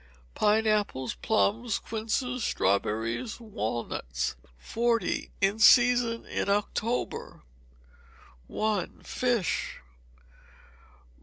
Pineapples, plums, quinces, strawberries, walnuts. 40. In Season in October. i. Fish.